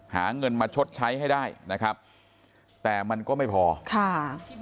หาเงินมาชดใช้ให้ได้นะครับแต่มันก็ไม่พอค่ะ